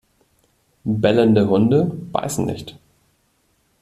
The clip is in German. Bellende Hunde beißen nicht!